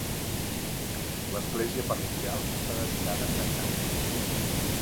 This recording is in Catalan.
L'església parroquial està dedicada a Sant Jaume.